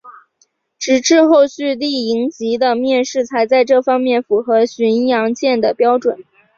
直至后续丽蝇级的面世才在这方面符合巡洋舰的标准。